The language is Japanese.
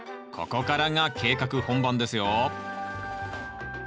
ここからが計画本番ですよ。